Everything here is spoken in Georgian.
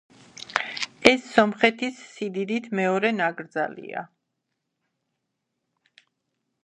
ეს სომხეთის სიდიდით მეორე ნაკრძალია.